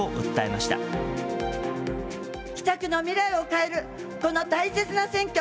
北区の未来を変える、この大切な選挙。